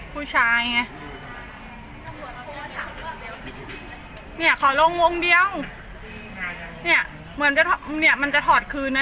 ผู้ชายไงเนี่ยขอลงวงเดียวเนี่ยเหมือนจะเนี่ยมันจะถอดคืนนะ